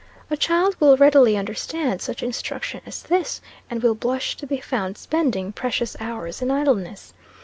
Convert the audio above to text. A child will readily understand such instruction as this, and will blush to be found spending precious hours in idleness.